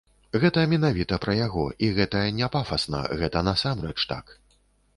Гэта менавіта пра яго, і гэта не пафасна, гэта насамрэч так.